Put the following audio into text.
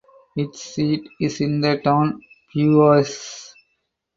Its seat is in the town Beauvais.